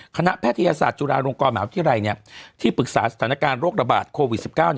คณะแพทยศาสตร์จุฬาลงกรแหมวที่ไรเนี่ยที่ปรึกษาสถานการณ์โรคระบาดโควิด๑๙